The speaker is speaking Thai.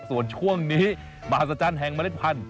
ส่วนช่วงนี้มหัศจรรย์แห่งเมล็ดพันธุ